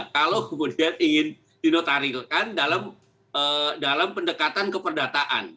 kalau kemudian ingin dinotarilkan dalam pendekatan keperdataan